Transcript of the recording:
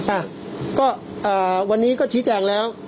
อ่ะก็วันนี้ก็ชี้แจงแล้ว